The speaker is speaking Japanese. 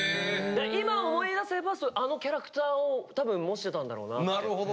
今思い出せばあのキャラクターを多分模してたんだろうなって。